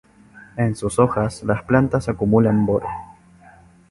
En sus hojas, las plantas acumulan boro.